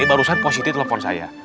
barusan positi telfon saya